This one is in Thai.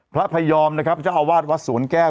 พระพยอมนะครับเจ้าอาวาสวัดสวนแก้ว